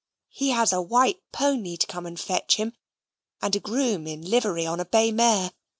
He has a white Pony to come and fetch him, and a groom in livery on a bay mare.